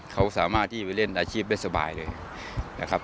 เขาสามารถที่ไปเล่นอาชีพได้สบายเลยนะครับ